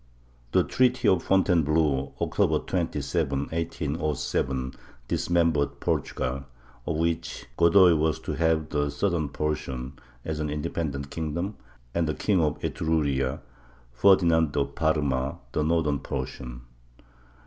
The treaty of Fontainebleau, October 27, 1807, dismembered Portugal, of which Godoy was to have the southern portion, as an independent kingdom, and the King of Etruria (Ferdinand of Parma) the northern portion.